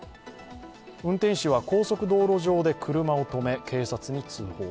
運転手は高速道路上で車を止め、警察に通報。